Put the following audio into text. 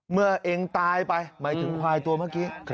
เมื่อเองตายไปหมายถึงควายตัวเมื่อกี้